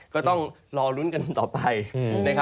ก็ต้องรอรุ้นกันต่อไป